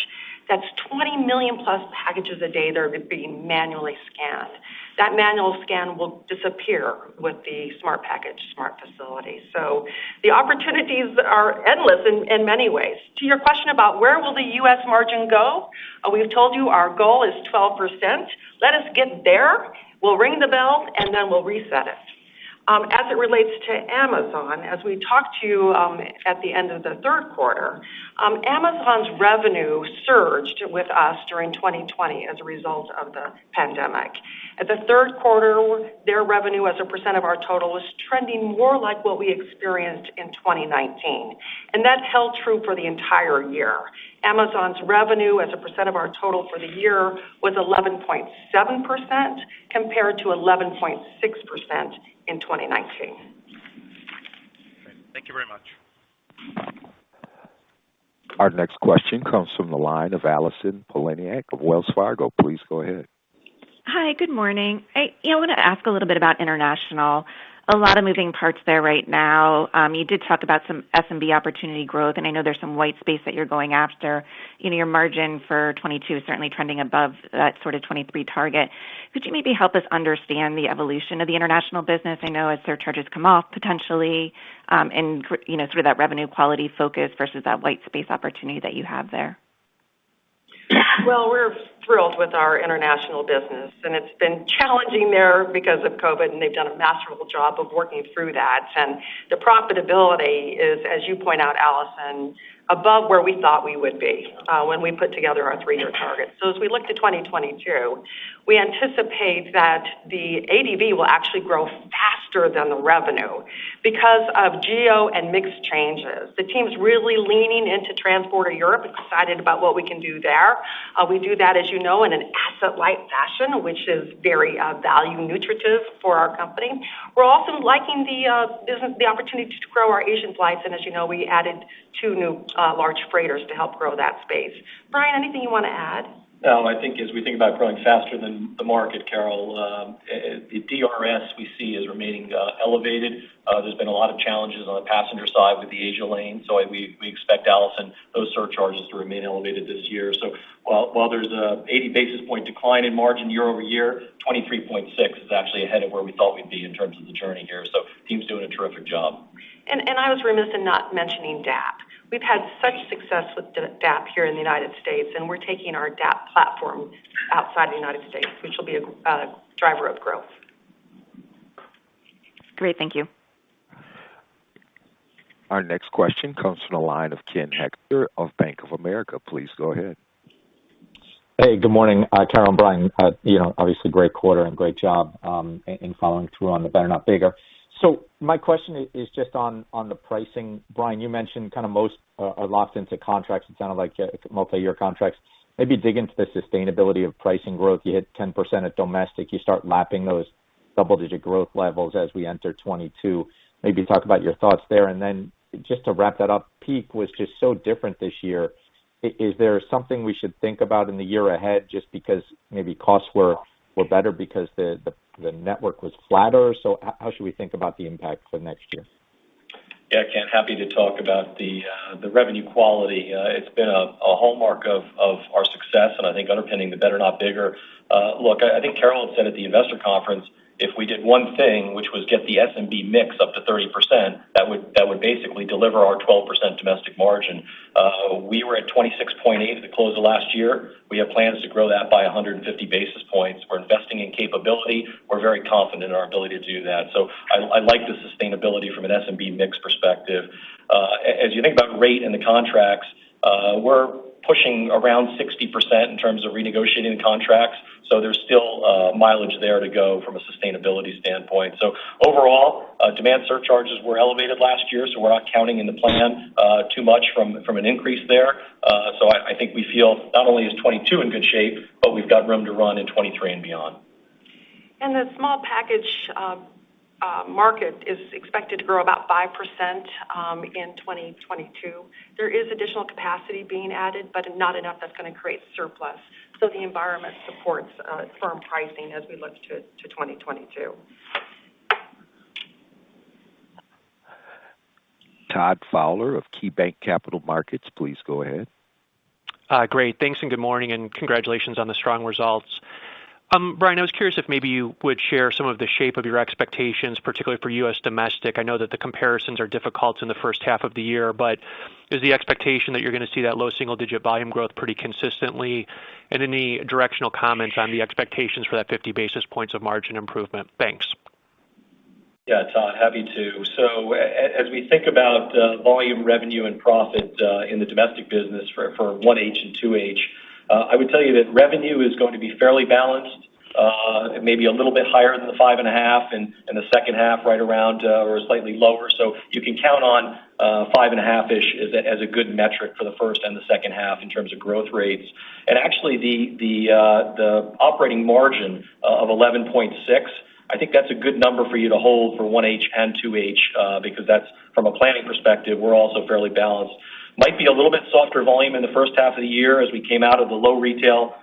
That's 20 million-plus packages a day that are being manually scanned. That manual scan will disappear with the Smart Package Smart Facility. The opportunities are endless in many ways. To your question about where will the U.S. margin go, we have told you our goal is 12%. Let us get there. We'll ring the bell, and then we'll reset it. As it relates to Amazon, as we talked to you, at the end of the third quarter, Amazon's revenue surged with us during 2020 as a result of the pandemic. At the third quarter, their revenue as a percent of our total was trending more like what we experienced in 2019, and that held true for the entire year. Amazon's revenue as a percent of our total for the year was 11.7% compared to 11.6% in 2019. Thank you very much. Our next question comes from the line of Allison Poliniak of Wells Fargo. Please go ahead. Hi. Good morning. You know, I want to ask a little bit about international. A lot of moving parts there right now. You did talk about some SMB opportunity growth, and I know there's some white space that you're going after. You know, your margin for 2022 is certainly trending above that sort of 2023 target. Could you maybe help us understand the evolution of the international business? I know as surcharges come off potentially, and you know, through that revenue quality focus versus that white space opportunity that you have there. Well, we're thrilled with our international business, and it's been challenging there because of COVID, and they've done a masterful job of working through that. The profitability is, as you point out, Allison, above where we thought we would be, when we put together our three year target. As we look to 2022, we anticipate that the ADV will actually grow faster than the revenue because of geo and mix changes. The team's really leaning into transborder Europe. Excited about what we can do there. We do that, as you know, in an asset-light fashion, which is very value accretive for our company. We're also liking the opportunity to grow our Asian flights, and as you know, we added two new large freighters to help grow that space. Brian, anything you wanna add? No. I think as we think about growing faster than the market, Carol, the DRS we see is remaining elevated. There's been a lot of challenges on the passenger side with the Asia lane. We expect, Allison, those surcharges to remain elevated this year. While there's an 80 basis point decline in margin year-over-year, 23.6% is actually ahead of where we thought we'd be in terms of the journey here. Team's doing a terrific job. I was remiss in not mentioning DAP. We've had such success with the DAP here in the United States, and we're taking our DAP platform outside the United States, which will be a driver of growth. Great. Thank you. Our next question comes from the line of Ken Hoexter of Bank of America. Please go ahead. Hey. Good morning, Carol and Brian. You know, obviously great quarter and great job in following through on the better, not bigger. My question is just on the pricing. Brian, you mentioned kind of most are locked into contracts. It sounded like multiyear contracts. Maybe dig into the sustainability of pricing growth. You hit 10% at domestic. You start lapping those double-digit growth levels as we enter 2022. Maybe talk about your thoughts there. Just to wrap that up, peak was just so different this year. Is there something we should think about in the year ahead just because maybe costs were better because the network was flatter? How should we think about the impact for next year? Yeah. Ken, happy to talk about the revenue quality. It's been a hallmark of our success, and I think underpinning the better, not bigger. Look, I think Carol had said at the investor conference, if we did one thing, which was get the SMB mix up to 30%, that would basically deliver our 12% domestic margin. We were at 26.8% at the close of last year. We have plans to grow that by 150 basis points. We're investing in capability. We're very confident in our ability to do that. I like the sustainability from an SMB mix perspective. As you think about rate and the contracts, we're pushing around 60% in terms of renegotiating contracts, so there's still mileage there to go from a sustainability standpoint. Overall, demand surcharges were elevated last year, so we're not counting in the plan too much from an increase there. I think we feel not only is 2022 in good shape, but we've got room to run in 2023 and beyond. The small package market is expected to grow about 5% in 2022. There is additional capacity being added, but not enough that's gonna create surplus. The environment supports firm pricing as we look to 2022. Todd Fowler of KeyBanc Capital Markets, please go ahead. Great. Thanks, and good morning, and congratulations on the strong results. Brian, I was curious if maybe you would share some of the shape of your expectations, particularly for U.S. domestic. I know that the comparisons are difficult in the first half of the year, but is the expectation that you're gonna see that low single-digit volume growth pretty consistently? Any directional comments on the expectations for that 50 basis points of margin improvement? Thanks. Yeah. Todd, happy to. As we think about volume, revenue and profit in the domestic business for 1H and 2H, I would tell you that revenue is going to be fairly balanced, maybe a little bit higher than the 5.5%, and the second half right around or slightly lower. You can count on 5.5%-ish as a good metric for the first and the second half in terms of growth rates. Actually, the operating margin of 11.6%, I think that's a good number for you to hold for 1H and 2H, because that's from a planning perspective, we're also fairly balanced. Might be a little bit softer volume in the first half of the year as we came out of the low retail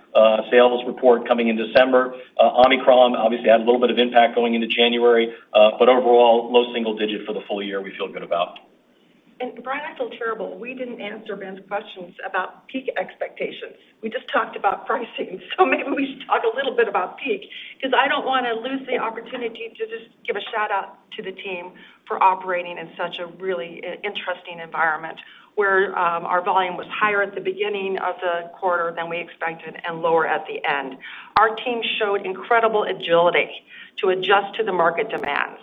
sales report coming in December. Omicron obviously had a little bit of impact going into January. Overall, low single digit for the full year we feel good about. Brian, I feel terrible. We didn't answer Ken Hoexter's questions about peak expectations. We just talked about pricing. Maybe we should talk a little bit about peak because I don't want to lose the opportunity to just give a shout-out to the team for operating in such a really interesting environment, where our volume was higher at the beginning of the quarter than we expected and lower at the end. Our team showed incredible agility to adjust to the market demands.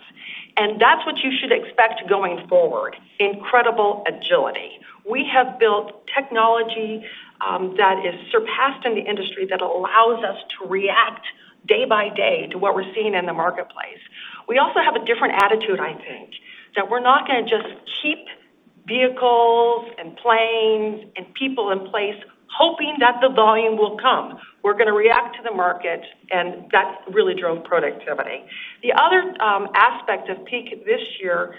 That's what you should expect going forward, incredible agility. We have built technology that is surpassed in the industry that allows us to react day by day to what we're seeing in the marketplace. We also have a different attitude, I think, that we're not going to just keep vehicles and planes and people in place hoping that the volume will come. We're gonna react to the market, and that really drove productivity. The other aspect of peak this year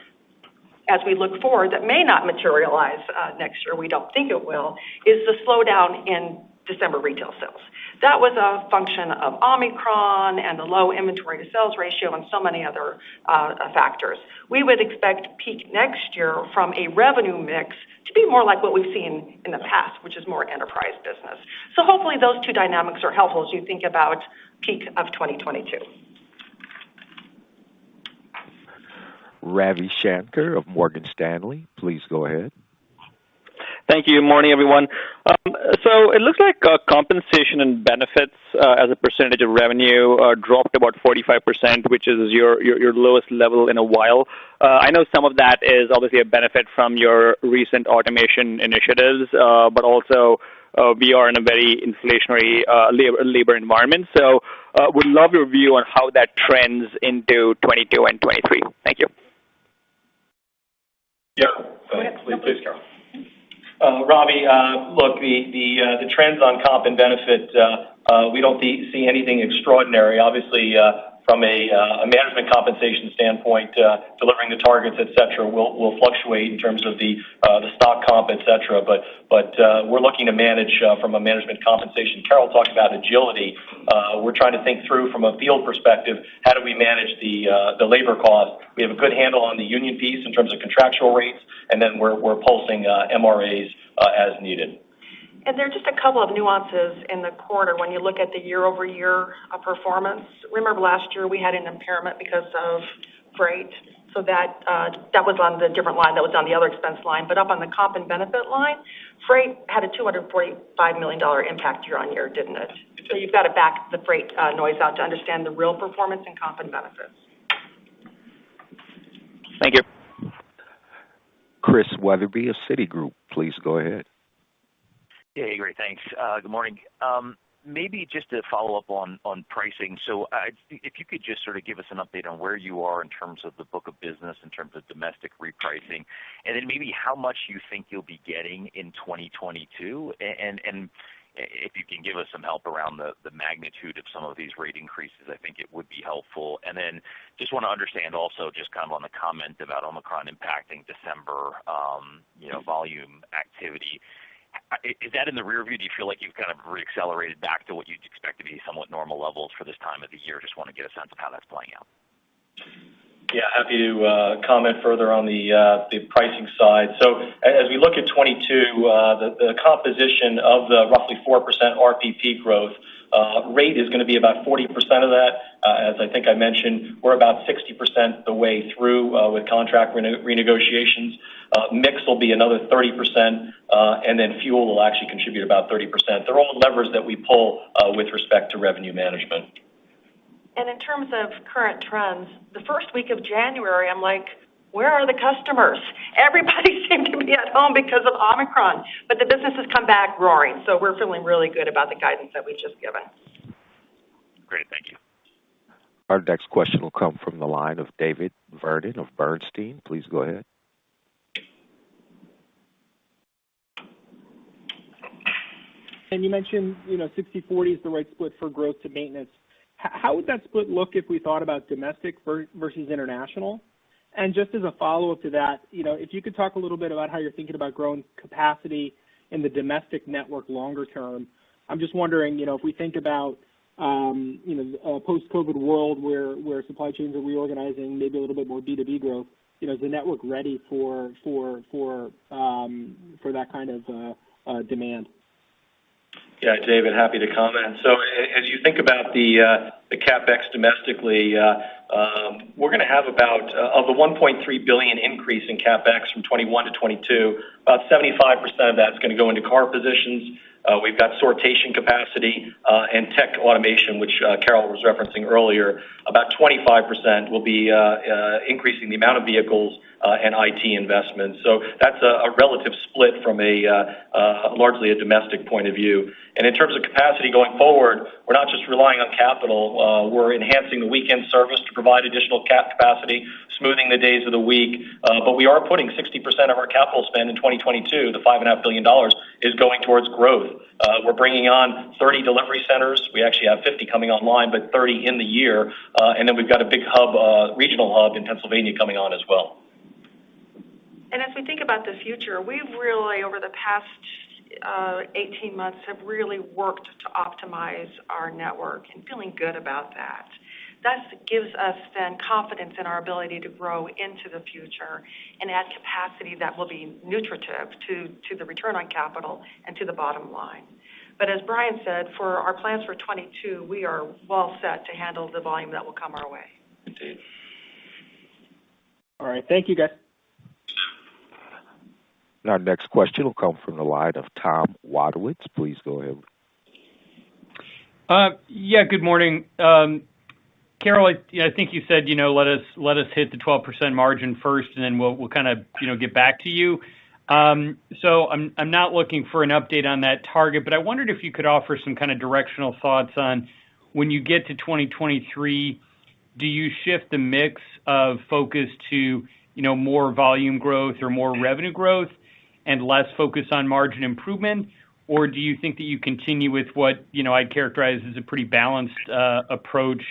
as we look forward that may not materialize next year, we don't think it will, is the slowdown in December retail sales. That was a function of Omicron and the low inventory to sales ratio and so many other factors. We would expect peak next year from a revenue mix to be more like what we've seen in the past, which is more enterprise business. Hopefully, those two dynamics are helpful as you think about peak of 2022. Ravi Shanker of Morgan Stanley, please go ahead. Thank you. Morning, everyone. It looks like compensation and benefits as a percentage of revenue dropped about 45%, which is your lowest level in a while. I know some of that is obviously a benefit from your recent automation initiatives, but also we are in a very inflationary labor environment. Would love your view on how that trends into 2022 and 2023. Thank you. Yeah. Please, Carol. Ravi, look, the trends on comp and benefit. We don't see anything extraordinary. Obviously, from a management compensation standpoint, delivering the targets, et cetera, will fluctuate in terms of the stock comp, et cetera. We're looking to manage from a management compensation. Carol talked about agility. We're trying to think through from a field perspective, how do we manage the labor cost? We have a good handle on the union piece in terms of contractual rates, and then we're pulsing MRAs as needed. There are just a couple of nuances in the quarter when you look at the year-over-year performance. Remember last year, we had an impairment because of freight, so that was on the different line. That was on the other expense line. But up on the comp and benefit line, freight had a $245 million impact year-over-year, didn't it? So you've got to back the freight noise out to understand the real performance in comp and benefits. Thank you. Chris Wetherbee of Citigroup, please go ahead. Yeah. Great. Thanks. Good morning. Maybe just to follow up on pricing. If you could just sort of give us an update on where you are in terms of the book of business, in terms of domestic repricing, and then maybe how much you think you'll be getting in 2022. If you can give us some help around the magnitude of some of these rate increases, I think it would be helpful. I just want to understand also just kind of on the comment about Omicron impacting December, you know, volume activity. Is that in the rearview? Do you feel like you've kind of re-accelerated back to what you'd expect to be somewhat normal levels for this time of the year? Just wanna get a sense of how that's playing out. Yeah, happy to comment further on the pricing side. As we look at 2022, the composition of the roughly 4% RPP growth rate is gonna be about 40% of that. As I think I mentioned, we're about 60% the way through with contract renegotiations. Mix will be another 30%, and then fuel will actually contribute about 30%. They're all levers that we pull with respect to revenue management. In terms of current trends, the first week of January, I'm like, "Where are the customers?" Everybody seemed to be at home because of Omicron. The business has come back roaring, so we're feeling really good about the guidance that we've just given. Great. Thank you. Our next question will come from the line of David Vernon of Bernstein. Please go ahead. You mentioned, you know, 60/40 is the right split for growth to maintenance. How would that split look if we thought about domestic versus international? Just as a follow-up to that, you know, if you could talk a little bit about how you're thinking about growing capacity in the domestic network longer term. I'm just wondering, you know, if we think about, you know, a post-COVID world where supply chains are reorganizing, maybe a little bit more B2B growth, you know, is the network ready for that kind of demand? Yeah, David, happy to comment. As you think about the CapEx domestically, we're gonna have about $1.3 billion increase in CapEx from 2021 to 2022, about 75% of that's gonna go into cap positions. We've got sortation capacity and tech automation, which Carol was referencing earlier. About 25% will be increasing the amount of vehicles and IT investments. That's a relative split from a largely domestic point of view. In terms of capacity going forward, we're not just relying on capital. We're enhancing the weekend service to provide additional capacity, smoothing the days of the week. We are putting 60% of our capital spend in 2022, the $5.5 billion is going towards growth. We're bringing on 30 delivery centers. We actually have 50 coming online, but 30 in the year. We've got a big hub, regional hub in Pennsylvania coming on as well. As we think about the future, we've really, over the past 18 months, have really worked to optimize our network, and feeling good about that. That gives us then confidence in our ability to grow into the future and add capacity that will be accretive to the return on capital and to the bottom line. As Brian said, for our plans for 2022, we are well set to handle the volume that will come our way. Indeed. All right. Thank you, guys. Our next question will come from the line of Tom Wadewitz. Please go ahead. Yeah, good morning. Carol, you know, I think you said, you know, let us hit the 12% margin first, and then we'll kinda, you know, get back to you. So I'm not looking for an update on that target, but I wondered if you could offer some kinda directional thoughts on when you get to 2023, do you shift the mix of focus to, you know, more volume growth or more revenue growth and less focus on margin improvement? Or do you think that you continue with what, you know, I'd characterize as a pretty balanced approach,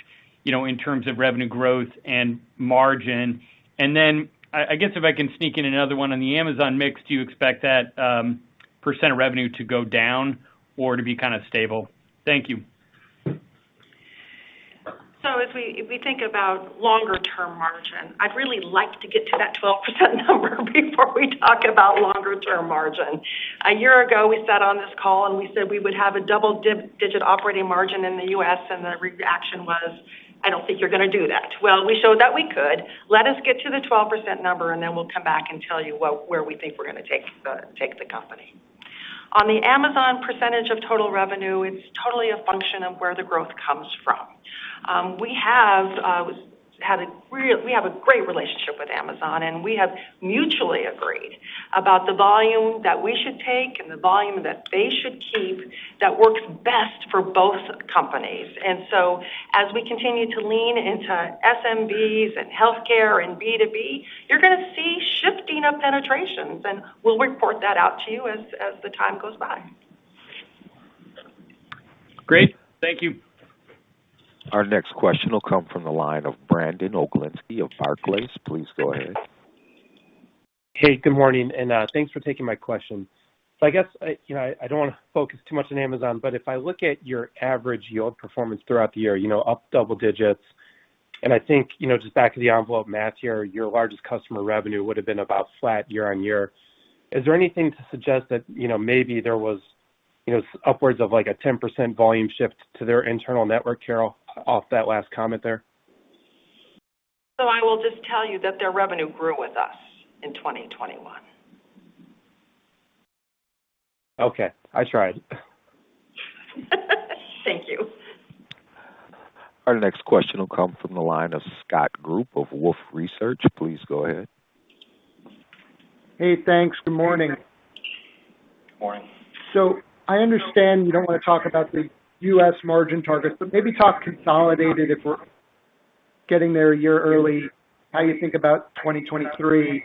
you know, in terms of revenue growth and margin? And then I guess if I can sneak in another one on the Amazon mix, do you expect that percent of revenue to go down or to be kind of stable? Thank you. If we think about longer term margin, I'd really like to get to that 12% number before we talk about longer term margin. A year ago, we sat on this call, and we said we would have a double-digit operating margin in the U.S., and the reaction was, "I don't think you're gonna do that." Well, we showed that we could. Let us get to the 12% number, and then we'll come back and tell you where we think we're gonna take the company. On the Amazon percentage of total revenue, it's totally a function of where the growth comes from. We have a great relationship with Amazon, and we have mutually agreed about the volume that we should take and the volume that they should keep that works best for both companies. As we continue to lean into SMBs and healthcare and B2B, you're gonna see shifting of penetrations, and we'll report that out to you as the time goes by. Great. Thank you. Our next question will come from the line of Brandon Oglenski of Barclays. Please go ahead. Hey, good morning, and thanks for taking my question. I guess, you know, I don't want to focus too much on Amazon, but if I look at your average yield performance throughout the year, you know, up double digits, and I think, you know, just back-of-the-envelope math here, your largest customer revenue would have been about flat year-over-year. Is there anything to suggest that, you know, maybe there was, you know, upwards of, like, a 10% volume shift to their internal network, Carol, off that last comment there? I will just tell you that their revenue grew with us in 2021. Okay, I tried. Thank you. Our next question will come from the line of Scott Group of Wolfe Research. Please go ahead. Hey, thanks. Good morning. Morning. I understand you don't wanna talk about the U.S. margin targets, but maybe talk consolidated if we're getting there a year early, how you think about 2023.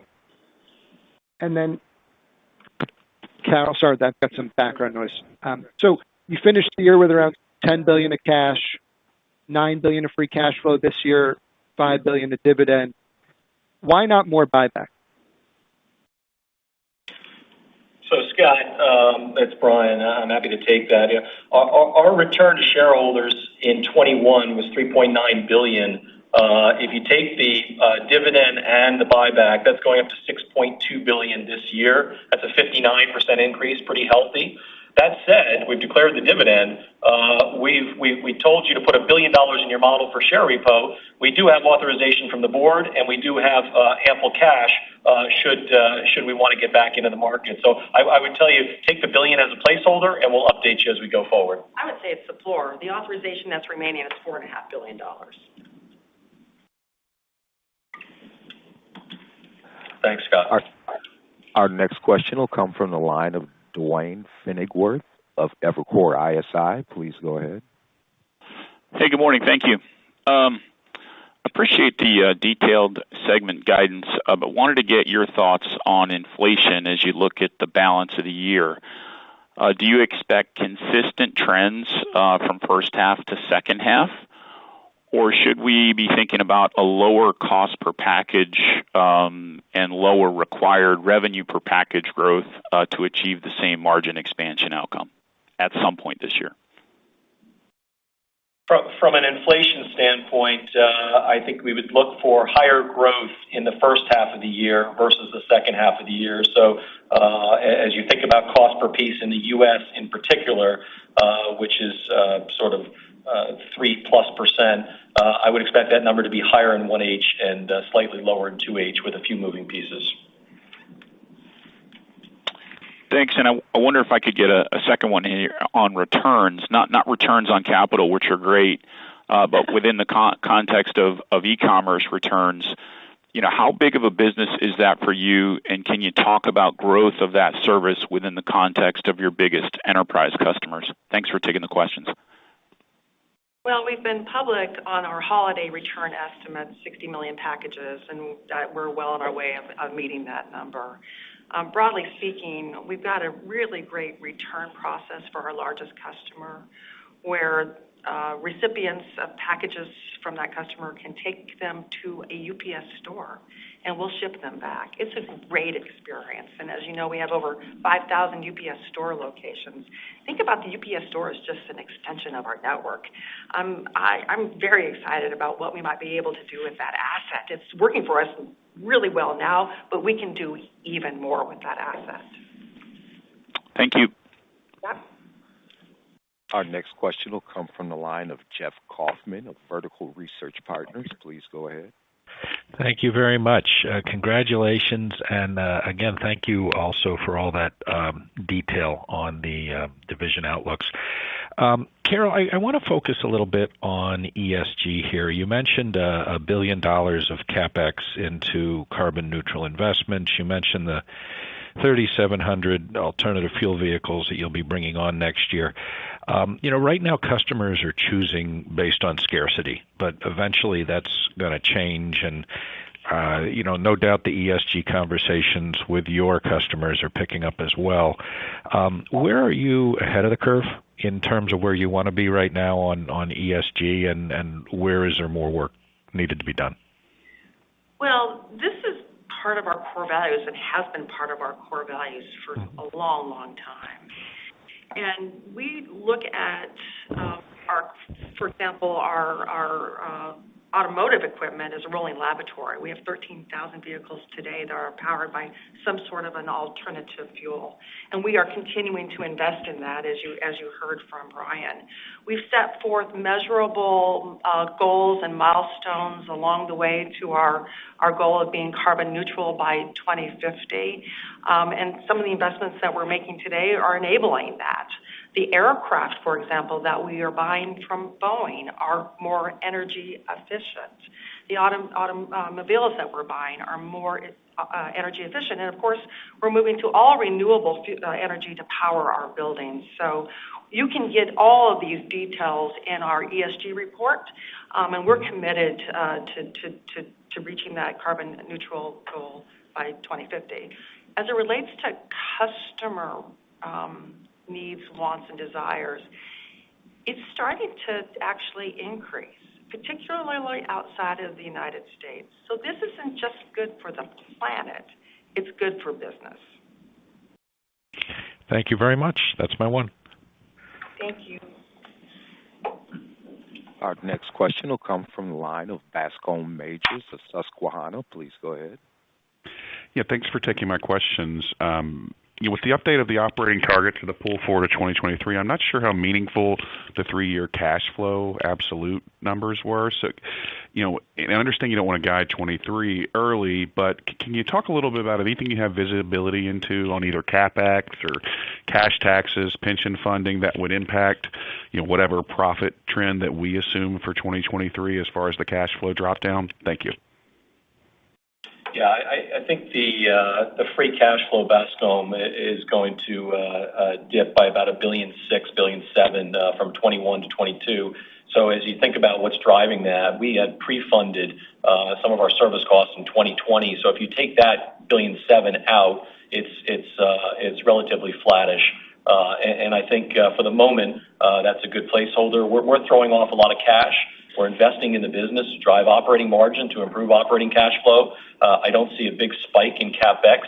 Carol, sorry, that got some background noise. You finished the year with around $10 billion of cash, $9 billion of free cash flow this year, $5 billion of dividend. Why not more buyback? Scott, it's Brian. I'm happy to take that. Yeah. Our return to shareholders in 2021 was $3.9 billion. If you take the dividend and the buyback, that's going up to $6.2 billion this year. That's a 59% increase. Pretty healthy. That said, we've declared the dividend. We've told you to put $1 billion in your model for share repo. We do have authorization from the board, and we do have ample cash should we wanna get back into the market. I would tell you, take the $1 billion as a placeholder, and we'll update you as we go forward. I would say it's the floor. The authorization that's remaining is $4.5 billion. Thanks, Scott. Our next question will come from the line of Duane Pfennigwerth of Evercore ISI. Please go ahead. Hey, good morning. Thank you. Appreciate the detailed segment guidance, but wanted to get your thoughts on inflation as you look at the balance of the year. Do you expect consistent trends from first half to second half? Or should we be thinking about a lower cost per package and lower required revenue per package growth to achieve the same margin expansion outcome at some point this year? From an inflation standpoint, I think we would look for higher growth in the first half of the year versus the second half of the year. As you think about cost per piece in the U.S. in particular, which is sort of +3%, I would expect that number to be higher in 1H and slightly lower in 2H with a few moving pieces. Thanks. I wonder if I could get a second one in here on returns. Not returns on capital, which are great, but within the context of e-commerce returns, you know, how big of a business is that for you? Can you talk about growth of that service within the context of your biggest enterprise customers? Thanks for taking the questions. Well, we've been public on our holiday return estimate, 60 million packages, and that we're well on our way of meeting that number. Broadly speaking, we've got a really great return process for our largest customer, where recipients of packages from that customer can take them to a UPS Store, and we'll ship them back. It's a great experience. As you know, we have over 5,000 UPS Store locations. Think about the UPS Store as just an extension of our network. I'm very excited about what we might be able to do with that asset. It's working for us really well now, but we can do even more with that asset. Thank you. Yeah. Our next question will come from the line of Jeff Kauffman of Vertical Research Partners. Please go ahead. Thank you very much. Congratulations. Again, thank you also for all that detail on the division outlooks. Carol, I wanna focus a little bit on ESG here. You mentioned $1 billion of CapEx into carbon neutral investments. You mentioned the 3,700 alternative fuel vehicles that you'll be bringing on next year. You know, right now customers are choosing based on scarcity, but eventually that's gonna change. You know, no doubt the ESG conversations with your customers are picking up as well. Where are you ahead of the curve in terms of where you wanna be right now on ESG, and where is there more work needed to be done? Well, this is part of our core values and has been part of our core values for a long time. We look at, for example, our automotive equipment is a rolling laboratory. We have 13,000 vehicles today that are powered by some sort of an alternative fuel, and we are continuing to invest in that as you heard from Brian. We've set forth measurable goals and milestones along the way to our goal of being carbon neutral by 2050. Some of the investments that we're making today are enabling that. The aircraft, for example, that we are buying from Boeing are more energy efficient. The automobiles that we're buying are more energy efficient. Of course, we're moving to all renewable energy to power our buildings. You can get all of these details in our ESG report. We're committed to reaching that carbon neutral goal by 2050. As it relates to customer needs, wants and desires, it's starting to actually increase, particularly outside of the United States. This isn't just good for the planet, it's good for business. Thank you very much. That's my one. Thank you. Our next question will come from the line of Bascome Majors of Susquehanna. Please go ahead. Yeah, thanks for taking my questions. With the update of the operating target for the full forward of 2023, I'm not sure how meaningful the three-year cash flow absolute numbers were. You know, and I understand you don't want to guide 2023 early, but can you talk a little bit about anything you have visibility into on either CapEx or cash taxes, pension funding that would impact, you know, whatever profit trend that we assume for 2023 as far as the cash flow dropdown? Thank you. Yeah. I think the free cash flow, Bascom, is going to dip by about $1.6 billion-$1.7 billion from 2021 to 2022. As you think about what's driving that, we had pre-funded some of our service costs in 2020. If you take that $1.7 billion out, it's relatively flattish. I think for the moment that's a good placeholder. We're throwing off a lot of cash. We're investing in the business to drive operating margin to improve operating cash flow. I don't see a big spike in CapEx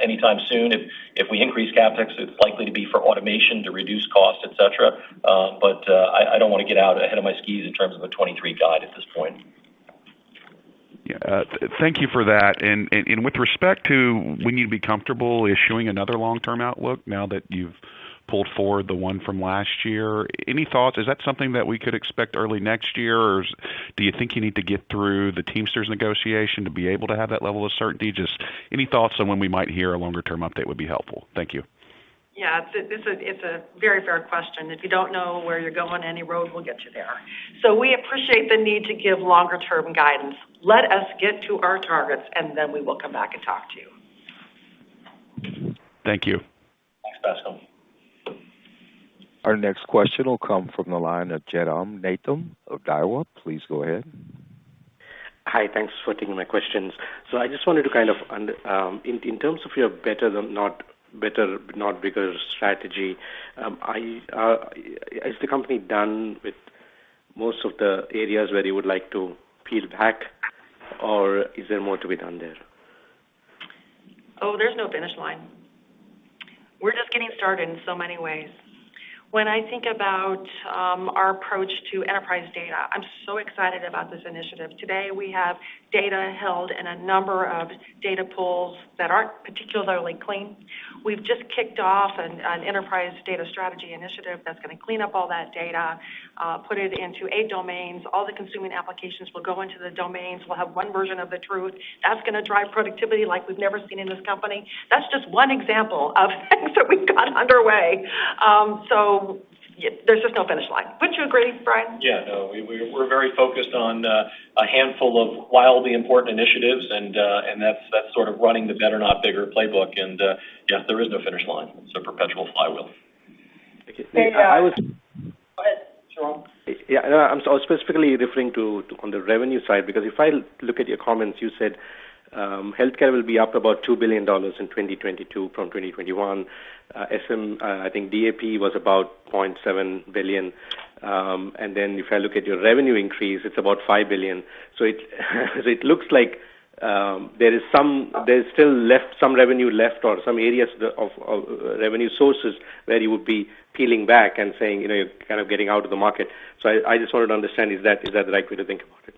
anytime soon. If we increase CapEx, it's likely to be for automation to reduce costs, et cetera. I don't wanna get out ahead of my skis in terms of the 2023 guide at this point. Yeah. Thank you for that. With respect to when you'd be comfortable issuing another long-term outlook now that you've pulled forward the one from last year, any thoughts? Is that something that we could expect early next year? Or do you think you need to get through the Teamsters negotiation to be able to have that level of certainty? Just any thoughts on when we might hear a longer term update would be helpful. Thank you. Yeah. It's a very fair question. If you don't know where you're going, any road will get you there. We appreciate the need to give longer term guidance. Let us get to our targets, and then we will come back and talk to you. Thank you. Thanks, Bascome. Our next question will come from the line of Jairam Nathan of Daiwa. Please go ahead. Hi. Thanks for taking my questions. I just wanted to kind of in terms of your better, not bigger strategy, is the company done with most of the areas where you would like to peel back, or is there more to be done there? Oh, there's no finish line. We're just getting started in so many ways. When I think about our approach to enterprise data, I'm so excited about this initiative. Today, we have data held in a number of data pools that aren't particularly clean. We've just kicked off an enterprise data strategy initiative that's gonna clean up all that data, put it into eight domains. All the consuming applications will go into the domains. We'll have one version of the truth. That's gonna drive productivity like we've never seen in this company. That's just one example of things that we've got underway. There's just no finish line. Wouldn't you agree, Brian? Yeah. No. We're very focused on a handful of wildly important initiatives, and that's sort of running the better, not bigger playbook. Yes, there is no finish line. It's a perpetual flywheel. I was. Go ahead, Jairam. Yeah. I'm specifically referring to on the revenue side because if I look at your comments, you said, healthcare will be up about $2 billion in 2022 from 2021. I think DAP was about $0.7 billion. And then if I look at your revenue increase, it's about $5 billion. So it looks like, there is some there's still some revenue left or some areas of revenue sources where you would be peeling back and saying, you know, you're kind of getting out of the market. So I just wanted to understand, is that the right way to think about it?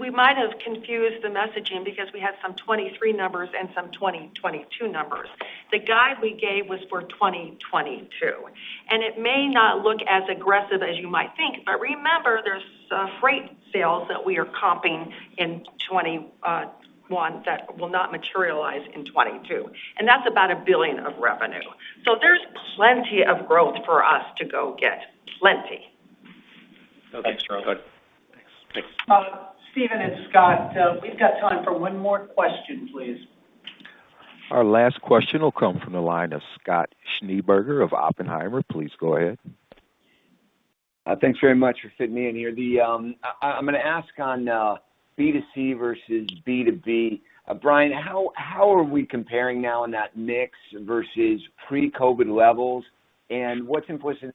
We might have confused the messaging because we have some 2023 numbers and some 2022 numbers. The guide we gave was for 2022, and it may not look as aggressive as you might think. Remember, there's freight sales that we are comping in 2021 that will not materialize in 2022, and that's about $1 billion of revenue. There's plenty of growth for us to go get. Plenty. Okay. Thanks. Thanks. Steven, it's Scott, we've got time for one more question, please. Our last question will come from the line of Scott Schneeberger of Oppenheimer. Please go ahead. Thanks very much for fitting me in here. I'm gonna ask on B2C versus B2B. Brian, how are we comparing now in that mix versus pre-COVID levels? What's implicit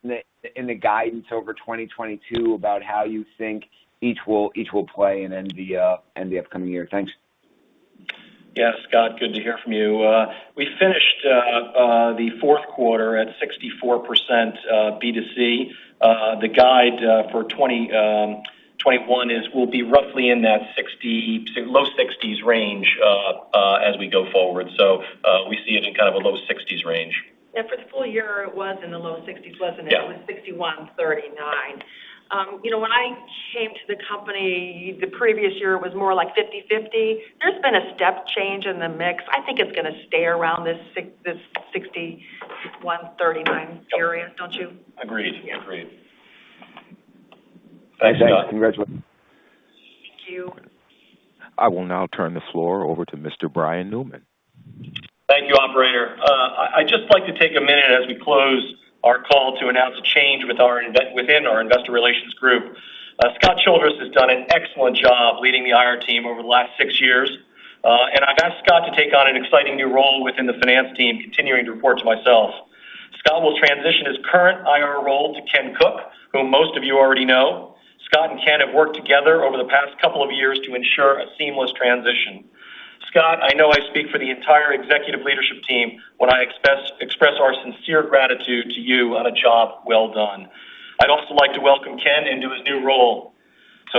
in the guidance over 2022 about how you think each will play and in the upcoming year? Thanks. Yeah. Scott, good to hear from you. We finished the fourth quarter at 64% B2C. The guide for 2021 will be roughly in that low 60s range as we go forward. We see it in kind of a low 60s range. For the full year, it was in the low 60s, wasn't it? Yeah. It was 61/39. You know, when I came to the company, the previous year was more like 50/50. There's been a step change in the mix. I think it's gonna stay around this 61/39 period, don't you? Agreed. Agreed. Thanks, Scott. Congratulations. Thank you. I will now turn the floor over to Mr. Brian Newman. Thank you, Operator. I'd just like to take a minute as we close our call to announce a change within our investor relations group. Scott Childress has done an excellent job leading the IR team over the last six years. I've asked Scott to take on an exciting new role within the finance team, continuing to report to myself. Scott will transition his current IR role to Ken Cook, who most of you already know. Scott and Ken have worked together over the past couple of years to ensure a seamless transition. Scott, I know I speak for the entire executive leadership team when I express our sincere gratitude to you on a job well done. I'd also like to welcome Ken into his new role.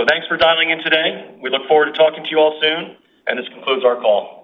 Thanks for dialing in today. We look forward to talking to you all soon, and this concludes our call.